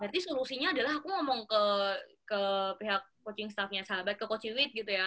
berarti solusinya adalah aku ngomong ke pihak coaching staff nya sahabat ke coaching with gitu ya